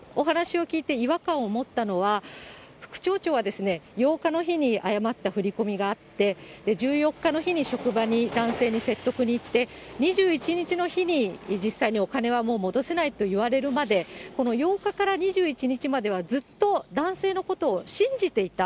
ただ、私が全体的にお話を聞いて違和感を持ったのは、副町長は８日の日に誤った振り込みがあって、１４日の日に、職場に男性に説得に行って、２１日の日に実際にお金はもう戻せないと言われるまで、この８日から２１日まではずっと男性のことを信じていた。